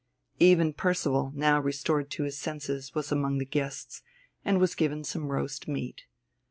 Even Percival, now restored to his senses, was among the guests, and was given some roast meat.